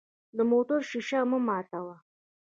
د موټر شیشه مه ماتوه.